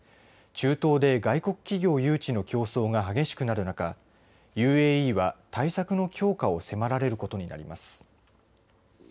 中東で外国企業誘致の競争が激しくなる中ＵＡＥは対策の強化を迫られることになります。